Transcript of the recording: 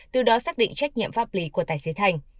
từ đó xác định trách nhiệm pháp lý của tài xế thành